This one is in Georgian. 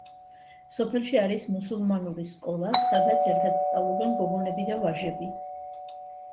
სოფელში არის მუსულმანური სკოლა სადაც ერთად სწავლობენ გოგონები და ვაჟები.